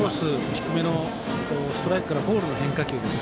低めのストライクからボールの変化球